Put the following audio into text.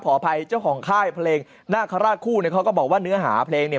อภัยเจ้าของค่ายเพลงนาคาราชคู่เนี่ยเขาก็บอกว่าเนื้อหาเพลงเนี่ย